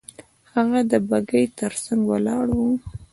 هغه د بګۍ تر څنګ ولاړ وو.